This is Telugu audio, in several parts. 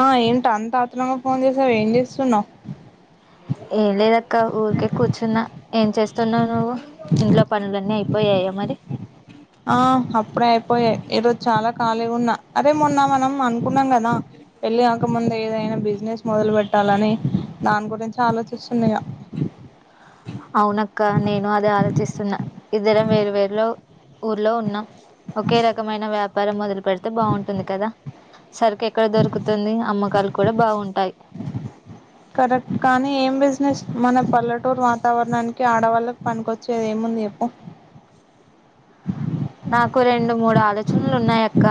ఆ ఏంటి అంత ఆత్రంగా ఫోన్ చేసావు ఏం చేస్తున్నావు ఏం లేదక్క ఊరికే కూర్చున్నా ఏం చేస్తున్నవు నువ్వు ఇంట్లో పనులన్నీ అయిపోయా య మరి ఖాలిగున్నా అరే మొన్న మనం అనుకున్నాం కదా పెళ్ళి కాక ముందె ఏదైనా బిజినెస్ మొదలు పెట్టాలని దాని గురించి ఆలోచిస్తున్నిగా బ్లాంక్ అవునక్క నేను అదే ఆలోచిస్తున్నా ఇద్దరం వేర్ వేరులో ఊర్లో ఉన్నాం ఒకే రకమైన వ్యాపారం మొదలు పెడితే బాగుంటుంది కదా సరుకు ఎక్కడ దొరుకుతుంది అమ్మకాలు కూడా బాగుంటాయి కరెక్ట్ కానీ ఏం బిజినెస్ మన పల్లెటూరు వాతావరణానికి ఆడవాళ్ళకి పనినికొచ్చేది ఏముంది చెప్పు బ్లాంక్ నాకు రెండు మూడు ఆలోచనలున్నాయక్క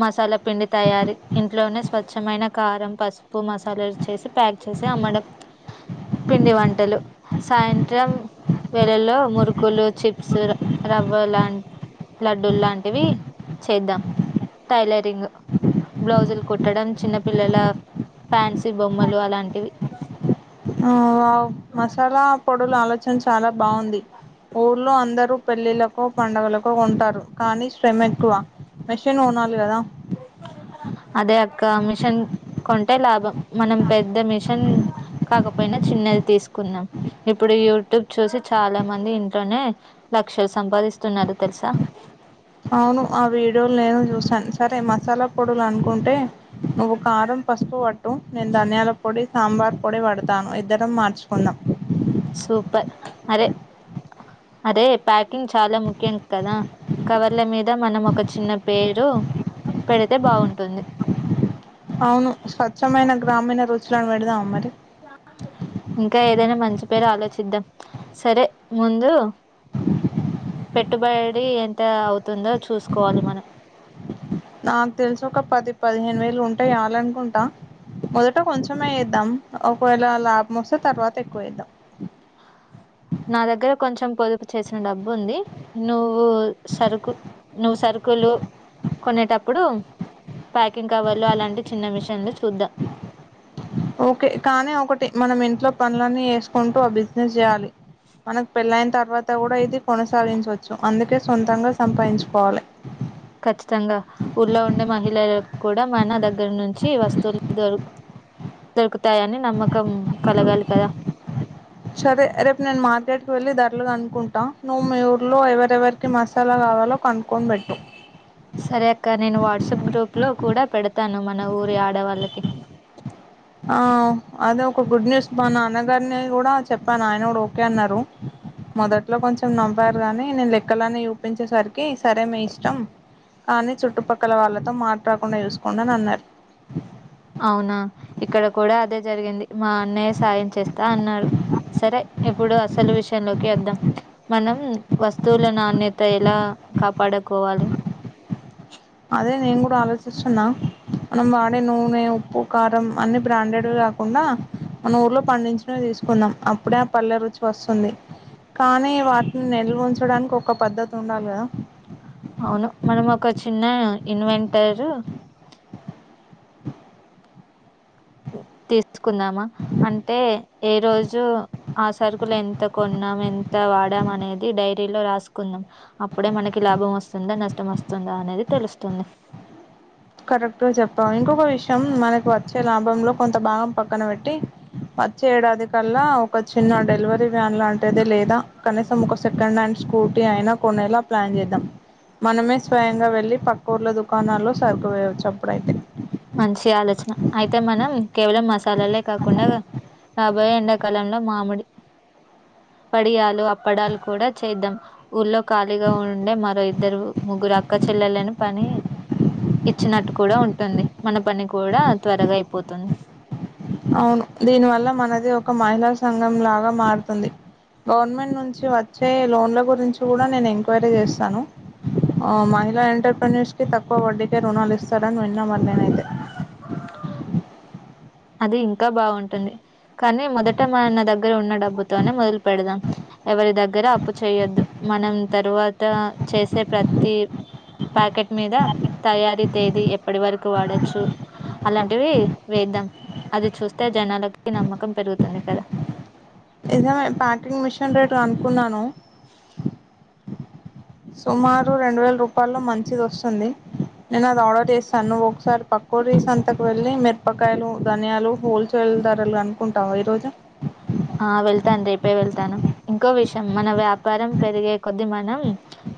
మసాలా పిండి తయారీ ఇంట్లోనే స్వచ్ఛమైన కారం పసుపు మసాలాలుచేసి ప్యాక్ చే సి అమ్మడం పిండి వంటలు సాయంత్రం వేళ్ళలో మురుకులు చిప్స్ ర రవ్వ లాం లడ్డూలాంటివి చేద్దాం టైలరింగ్ బ్లౌజులు కుట్టడం చిన్న పిల్లల ఫ్యాన్సీ బొమ్మలు అలాంటివి ఆవ్ మసాలా పొడుల ఆలోచన చాలా బాగుంది ఊర్లో అందరూ పెళ్ళిళ్లకొ పండగలకొ కొంటారు కానీ శ్రమెక్కువ మెషన్ కొనాలి గదా అదే అక్క మిషన్ కొంటే లాభం మనం పెద్ద మిషన్ కాకపోయినా చిన్నది తీసుకుందాం ఇప్పుడు యూట్యూబ్ చూసి చాలా మంది ఇంట్లోనే లక్షలు సంపాదిస్తున్నారు తెలుసా అవును ఆ వీడియోలు నేను చూసాను సరే మసాలా పొడులు అనుకుంటే నువ్వు కారం పసుపు పట్టు నేను ధనియాల పొడి సాంబార్ పొడి పడతాను ఇద్దరం మార్చుకుందాం సూపర్ అరే అరే ప్యాకింగ్ చాలా ముఖ్యం కదా కవర్ల మీద మనం ఒక చిన్న పేరు పెడితే బాగుంటుంది అవును స్వచ్ఛమైన గ్రామీణ రుచులని పెడదామమరి ఇంకా ఏదైనా మంచి పేరు ఆలోచిద్దాం సరే ముందు బ్లాంక్ పెట్టుబడి ఎంత అవుతుందో చూసుకోవాలి మనం నాకు తెలుసి ఒక పది పదిహేను వేలు ఉంటే చాలనుకుంటా మొదట కొంచెమే చేద్దాం ఒకవేళ లాభం వస్తే తర్వాత ఎక్కువ చేద్దాం బ్లాంక్ నా దగ్గర కొంచెం పొదుపు చేసిన డబ్బుంది. నువ్వు సరుకు నువ్వు సరు కులు కొనేటప్పుడు ప్యాకింగ్ కవర్లు అలాంటి చిన్న మిషన్లు చూద్దాం. ఓకే కానీ ఒకటి మనం ఇంట్లో పనులన్నీ చేసుకుంటూ ఆ బిజినెస్ చేయాలి. మనక్ పెళ్ళయిన తర్వాత కూడా ఇది కొనసాగించొచ్చు అందుకే సొంతంగా సంపాయించుకోవాలె ఖచ్చితంగా ఊళ్ళో ఉండే మహిళలకు కూడా మన దగ్గర నుంచి వస్తువులు దొరు దొరుకుతాయని నమ్మకం కలగాలి కదా సరే రేపు నేను మార్కెట్ కి వెళ్ళి ధరలు కనుకుంటా నువ్వు మీ ఊర్లో ఎవరెవరికి మసాలా కా కావలో కనుక్కొనిబెట్టు సరే అక్క నేను వాట్సప్ గ్రూప్ లో కూడా పెడతాను మన ఊరి ఆడవాళ్ళ ఆ అదే ఒక గుడ్ న్యూస్ మా నాన్నగారిని కూడా చెప్పాను ఆయన కూడా ఓకే అన్నారు. మొదట్లో కొంచెం నవ్వారు గానీ నేను లెక్కలన్ని చూపించేసరికి సరే మీ ఇష్టం. కానీ చుట్టుపక్కల వాళ్లతో మాట రాకుండా చూసుకోండి అన్నరు. అవునా ఇక్కడ కూడా అదే జరిగింది మా అన్నయ్య సాయం చేస్తా అన్నాడు సరే ఇప్పుడు అసలు విషయం లోకి వద్దం మనం వస్తువుల నాణ్యత ఎలా కాపాడకోవాలి. అదే నేను కూడా ఆలోచిస్తున్నా మనం వాడే నూనె ఉప్పు కారం అన్ని బ్రాండెడ్వే కాకుండా మన ఊర్లో పండించినవి తీసుకుందాం. అప్పుడే ఆ పల్లె రుచి వస్తుంది. కానీ వాటిని నిల్వ్ ఉంచడానికి ఒక పద్ధతి ఉండాలి కదా. అవును మనం ఒక చిన్న ఇన్వెంటరు తీసుకుందామా అంటే ఏ రోజు ఆ సరుకులు ఎంత కొన్నాం ఎంత వాడం అనేది డైరీ లో రాసుకుందం. అప్పుడే మనకి లాభం వస్తుందా నష్టం వస్తుందా అనేది తె తెలుస్తుంది కరెక్ట గ చెప్పావ్ ఇంకొక విషయం మనకు వచ్చే లాభంలో కొంత భాగం పక్కన పెట్టి వచ్చే ఏడాది కల్లా ఒక చిన్న డెలివరీ వ్యాన్ లాంటిది లేదా కనీసం ఒక సెకండ్ హ్యాండ్ స్కూటీ అయినా కొనేలా ప్లాన్ చేద్దాం మనమే స్వయంగా వెళ్ళి పక్కుర్లో దుకాణాల్లో సరుకు వేయవచ్చు. అప్పుడైతే మంచి ఆలోచన అయితే మనం కేవలం మసాలాలే కాకుండాగ రాబోయే ఎండాకాలంలో మామిడి వడియాలు అప్పడాలు కూడా చేద్దాం. ఊళ్లో ఖాళీగా ఉండే మరో ఇద్దరు ముగ్గురు అక్కచే పిల్లలను పని ఇచ్చినట్టు కూడా ఉంటుంది. మన పని కూడా త్వరగా అయిపోతుంది. అవును దీని వల్ల మనది ఒక మహిళా సంఘం లాగా మారుతుంది. గవర్నమెంట్ నుంచి వచ్చే లోన్ల గురించి కూడా నేను ఎంక్వైరీ చేస్తాను. మహిళా ఎంటర్ప్రైనయూస్ కి తక్కువ వడ్డీకే రుణాలు ఇస్తారని విన్న మరినేనైతే అది ఇంకా బావుంటుంది కానీ మొదట మ నా దగ్గర ఉన్న డబ్బుతోనే మొదలు పెడదాం. ఎవరి దగ్గర అప్పు చేయొద్దు మనం తరువాత చేసే ప్రతి ప్యాకెట్ మీద తయారీ తేదీ ఎప్పటి వరకు వాడొచ్చు. అలాంటివి వేద్దాం. అది చూస్తే జనాలకి నమ్మకం పెరుగుతుంది కదా. నిజమే ప్యాకింగ్ మిషన్ రేట్ అనుకున్నాను. సుమారు రెండు వేల రూపాయల్లో మంచిది వస్తుంది. నేను అది ఆర్డర్ చేస్తాన్ నువ్ ఒకసారి పక్కూరి సంతకు వెళ్లి మె పకాయలు ధన్యాలు హోల్సేల్ ధరలు అనుకుంటావా ఈరోజు ఆ వెళ్తాను రేపే వెళ్తాను ఇంకో విషయం మన వ్యాపారం పెరిగే కొద్ది మనం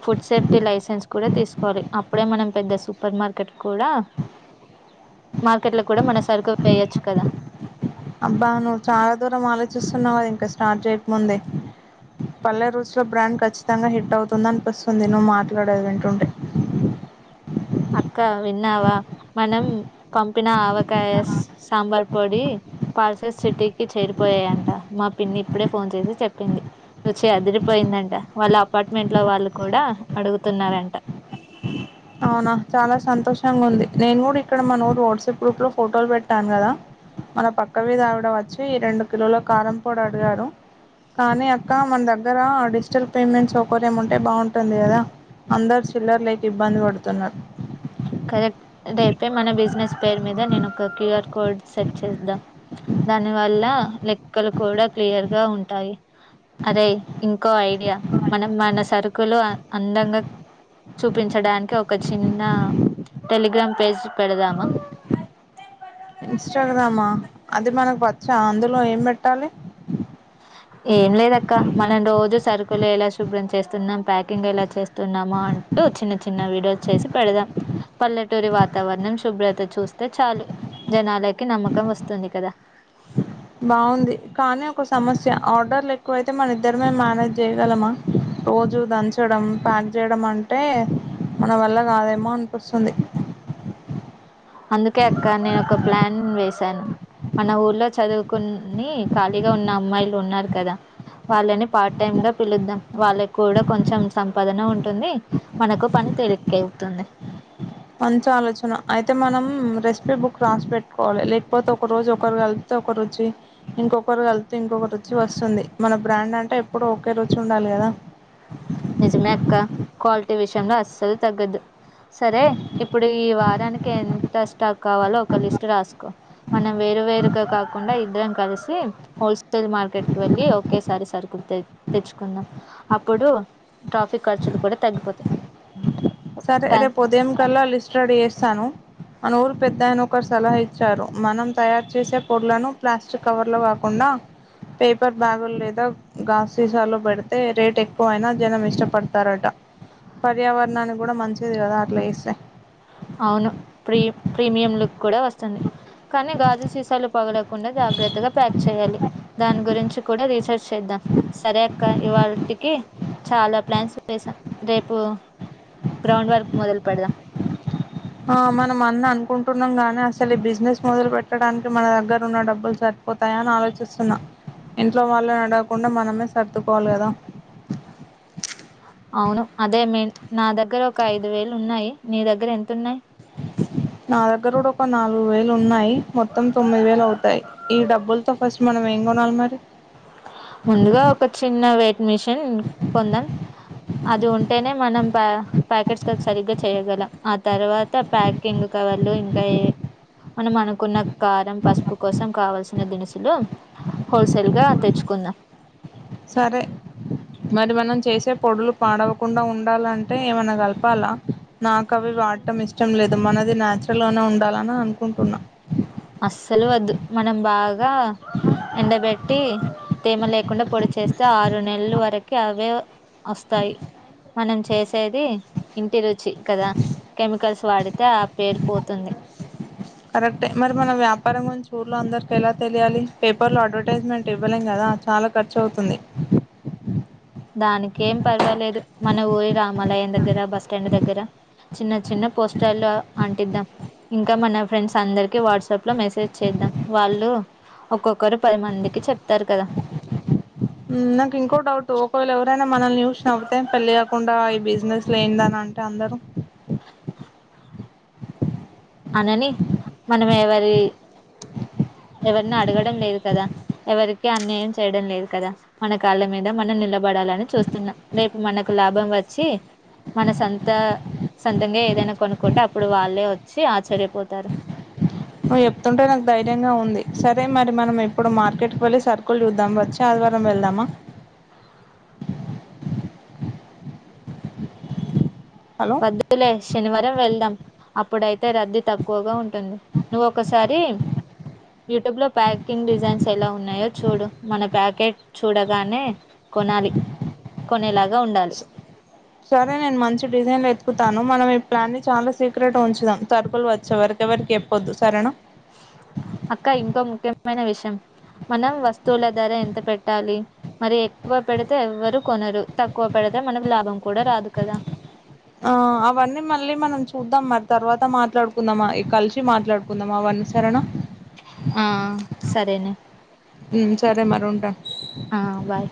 ఫుడ్ సేఫ్టీ లైసెన్స్ కూడా తీసుకోవాలి. అప్పుడే మనం పెద్ద సూపర్ మార్కెట్ కూడా మార్కెట్ లో కుడ మన సరుకు వేయొచ్చు కదా అబ్బా నువ్వు చాలా దూరం ఆలోచిస్తున్నావు అది ఇంకా స్టార్ట్ చేయకముందే పల్లె రుచుల బ్రాండ్ ఖచ్చితంగా హిట్ అవుతుంది అనిపిస్తుంది. నువ్వు మాట్లాడేది వింటుంటే అక్క విన్నావా మనం పంపిన ఆవకాయ సాంబార్ పొడి పార్సెస్ సిటీకి చేరిపోయాయంట మా పిన్ని ఇప్పుడే ఫోన్ చేసి చెప్పింది. రుచి అదిరిపోయిందంట వాళ్ళు అపార్ట్మెంట్ లో వాళ్ళు కూడా అడుగుతున్నారుట అవునా చాలా సంతోషంగా ఉంది. నేను కూడా ఇక్కడ మానూరు వాట్సాప్ గ్రూప్ లో ఫొటోలు పెట్టాను కదా మన పక్కన వీధి ఆవిడం వచ్చి, ఈ రెండు కిలోల కారంపూడి అడిగాడు. కానీ అక్క మన దగ్గర డిజిటల్ పేమెంట్ సౌకర్యం ఉంటే బాగుంటుంది కదా అందరు చిల్లర్ లేక ఇబ్బంది పడుతున్నారు కరెటెడ్ మన బిజినెస్ పేరు మీద నేను ఒక క్యూఆర్ కోడ్ సెట్ చేద్దాం దాని వల్ల లెక్కలు కూడా క్లియర్ గా ఉంటాయి. అరేయ్ ఇంకో ఐడియా మనం మన సరుకులు అందంగా చూపించడానికి ఒక చిన్న టెలిగ్రామ్ పజ్ పెడదమా ఇంస్టాగ్రామ్ ఆ అది మనకు వచ్చా అందులో ఏం పెట్టాలి ఆలా ఎలా శుభ్రం చేస్తున్నాం ప్యాకింగ్ ఎలా చేస్తున్నామో అంటూ చిన్న చిన్న వీడియోస్ చేసి పెడదాం పల్లెటూరు వాతవరణం శుభ్రత చూస్తే చాలు జనాలకి నమ్మకం వస్తుంది కదా బావుంది కానీ ఒక సమస్య ఆర్డర్లు ఎక్కువైతే మన ఇద్దరమే మేనేజ్ చేయగలమా రోజు దంచడం పక్కే చేయడం అంటే మన వాళ్ల కాదేమో అనిపిస్తుంది అందుకే అక్క నేను ఒక ప్లాన్ వేసాను మన ఊరిలో చదువుకుని ఖాళీగా ఉన్న అమ్మాయిలు ఉన్నారు కదా వాళ్ళని పార్ట్ టైమ్ గా పిలుద్దాం వాళ్ళకి కూడా కొచం సంపాదన ఉంటుంది మనకు పని తెలిక్ అవుతుంది మంచి ఆలోచన ఐతే మనం రెసిపీ బుక్ రాసి పెట్టుకోవాలి లేకపోతే ఒక రోజు ఒకరు కలిపుత ఒక రుచి ఇంకొకరు కలుపుతే ఇంకొక రుచి వస్తుంది మన బ్రాండ్ అంటే ఎప్పుడు ఒకే రుచి ఉండాలి కదా నిజమే అక్క క్వాలిటీ విషయంలో అస్సలు తగ్గదు సరే ఇప్పుడు ఈ వారానికి ఎంత స్టాక్ కావాలో ఒక లిస్ట్ రాసుకో మనం వే వేరువేరు గా కాకుండా ఇద్దరం కలిసి హౌస్పి మార్కెట్ కి వెళ్ళలి ఒకేసారి సరుకులు తే తెచ్చుకుందాం అప్పుడు ట్రాఫిక్ ఖర్చులు కూడా తగ్గిపోతాయి ట్రాన్స్పోర్ట్ సరే ట్రాన్స్ రేపు ఉద్యమం కల్లో లిస్ట్ రెడీ చేస్తాను మన ఊరు పెద్యన ఒకరు సలహా ఇచ్చారు మనం తయారు చేసే పొడ్లను ప్లాస్టిక్ కవర్ లో వాకుండా నా పేపర్ బ్యాగ్లోలేదా లేదా గజ్జు సీసాలు పెడితే రేట్ ఎక్కువ ఐనా జనం ఇష్టపడతారట పర్యావరణానికి కూడా మంచిది కదా అట్లా ఇస్తే అవును ప్రీ ప్రీమియం లుక్ కూడా వస్తుంది కానీ, గాజు సీసాలు పగులకుండా జాగ్రత్తగా ప్యాక్ చేయాలి దాని గురించి కూడా రీసెర్చ్ చేద్దాం. సరే అక్క ఇవాళ్టి చాలా ప్లాన్స్ వసాం రేపు గ్రౌండ్ వర్క్ మొదలు పెడుదాం ఆ మనం ఆని అనుకుంటున్నాం గాని, అసలు ఈ బిజినెస్ మొదలు పెట్టడానికి మన దగ్గర ఉన్న డబ్బులు సరి పోతాయా అని ఆలోచిస్తున్నా. ఇంట్లో వాలని అడుగకుండా మనమే సర్దుకోవాలి కదా అవును అదే మని నా దగ్గర ఒక ఐదు వేలు ఉన్నాయి నీ దగ్గర ఎంతన్నాయి నా దగ్గర కూడా ఒక నాలుగు వేలు ఉన్నాయి మొత్తం తొమ్మిది వేలు అవుతాయి ఈ డబ్బులతో ఫస్ట్ మనం ఎం కొనాలి మరి ముందుగా ఒక చిన్న వెయిట్ మెషిన్ కొందాం అది ఉంటేనే మనం ప ప్యాకెట్స్ సరిగ్గా చే య్యగలం ఆ తర్వాత ప్యాకింగ్ కవర్లు ఇంకా ఏ మనము అనుకున్న కారం పసుపు కోసం కావల్సిన దినుసులు హోల్సెల్ గా తెచ్చు కొన్న సరె మరి మనం చేసె పొడులు పాడవకుండ ఉండాలంటె ఏమన్న కలపాలా నాకు అవి వాడటం ఇష్టం లేదు మనది నాచురల్గానె ఉండాలని అనుకుంటున్న అస్సలు వద్దు మనం బాగా ఎండబె ట్టి తేమ లేకుండా పొడి చేస్తే ఆరు నెలలు వరకి అవే ఒస్తాయి మనం చేసేది ఇంటి రుచి కద కెమికల్స్ వాడితె ఆ పేరు పోతుంది కరక్టె మరి మన వ్యాపారం గురించి ఊర్లో అందరికి ఎలా తెలియాలి పేపర్ లో అడ్వర్టైజ్మెంట్ ఇవ్వలేం కదా చాల ఖర్చు అవుతుంది దానికేం పర్వాలేదు మన ఊరి రామాలయం దగ్గర బస్టాండ్ దగ్గర చిన్న చిన్న పోస్టర్లు అంటిద్దాం ఇంక మన ఫ్రెండ్స్ అందరికి వాట్సప్ లో మెసేజ్ చేద్దాం వాళ్ళు ఒక్కొక్కరు పది మందికి చెప్తరు కద బ్లాంక్ ఉమ్ నాకు ఇంకో డౌటు ఒకవేళ ఎవరైనా మనల్ని చూసి నవ్వితె పెళ్లి కాకుండ ఈ బిజినెస్ లేందన అంటే అందరు అనని మనం ఎవరీ బ్లాంక్ ఎవరిని అడగడం లేదు కద ఎవరికి అన్యాయం చేయడం లేదు కద మన కాళ్ళ మీద మనం నిలబడ ఉండాలని చూస్తున్నా రేపు మనకు లాభం వచ్చి మన సొంత సొంతంగా ఏదైనా కొనుక్కుంటె అప్పుడు వాళ్ళే ఒ చ్చి ఆశ్చర్యపోతారు నువ్వు చెప్తుంటే నాకు ధైర్యంగా ఉంది సరే మరి మనం ఇప్పుడు మార్కెట్ కి వెళ్ళి సర్కుల్ చూద్దాం వచ్చి అ ఆదివారం వెళ్దామ హలో వద్దులే శనివారం వెళ్దాం అప్పుడైతే రద్ధి తక్కువగా ఉంటుంది నువ్ ఒకసారి యూటుబ్ లో ప్యాకింగ్ డిజైన్స్ ఎలా ఉన్నాయో చూడు మన ప్యాకెట్ చూడగానే కొనాలి కొనెలా సరె నేను మంచి డిజైన్ వెతుకుతాను మనం ఈ ప్లాన్ ని చాలా సీక్రెట్ గా ఉంచుదాం సరకులు వచ్చే వరికి ఎవరికి చెప్పొద్దు సరేనా బ్లాంక్ అక్క ఇంకో ముఖ్యమైన విషం మనం వస్తువుల ధర ఎంత పెట్టాలి మరీ ఎక్కువ పెడితే ఎవ్వరు కొనరు తక్కువ పెడ తె మనకు లాభం కూడా రాదు కద ఆ అవన్నీ మళ్ళీ మనం చూద్దాం మరి తర్వాత మాట్లాడుకుందామ కలిసి మాట్లాడుకుందామా అవ మ్ సరేనా ఆ సరేనె సరే మరి ఉంటా ఆ బాయ్